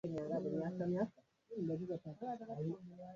na mrithi wake Orhan Bey mnamo mwaka elfumoja miatatu ishirini na sita